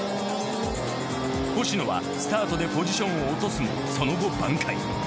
星野はスタートでポジションを落とすもその後挽回。